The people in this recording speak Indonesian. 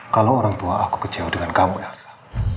kalau orang tua aku kecewa dengan kamu elsa